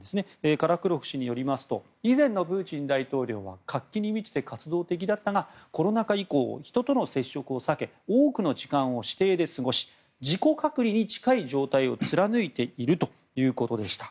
カラクロフ氏によりますと以前のプーチン大統領は活気に満ちて活動的だったがコロナ禍以降人との接触を避け多くの時間を私邸で過ごし自己隔離に近い状態を貫いているということでした。